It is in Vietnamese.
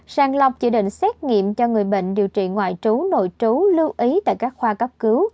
sàng lọc chỉ định xét nghiệm cho người bệnh điều trị ngoại trú nội trú lưu ý tại các khoa cấp cứu